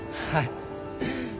はい。